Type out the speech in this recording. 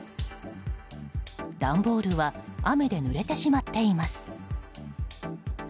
段ボールは雨でぬれてしまっています。